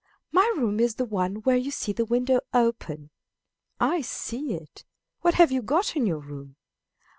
My room is the one where you see the window open. I see it. What have you got in your room?